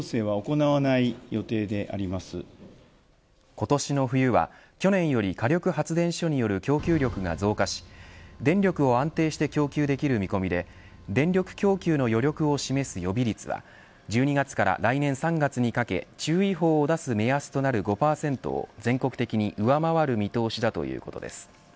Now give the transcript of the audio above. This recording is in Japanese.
今年の冬は去年より火力発電所による供給力が増加し、電力を安定して供給できる見込みで電力供給の余力を示す予備率は１２月から来年３月にかけ注意報を出す目安となる５％を全国的に上回る見通しだということです。